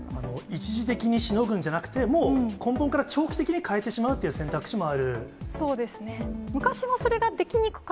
一時的にしのぐんじゃなくて、もう根本から、長期的に変えてしまうっていう選択肢もある？